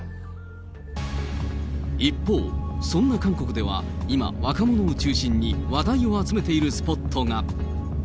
一方、そんな韓国では今、若者を中心に話題を集めているスポットが。